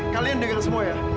kalian dengar semua ya